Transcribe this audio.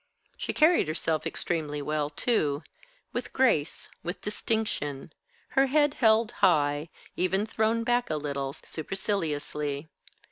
She carried herself extremely well, too: with grace, with distinction, her head held high, even thrown back a little, superciliously.